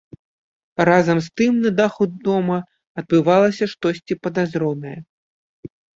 Разам з тым на даху дома адбывалася штосьці падазронае.